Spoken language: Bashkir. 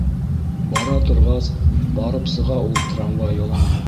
Бара торғас, барып сыға ул трамвай юлына.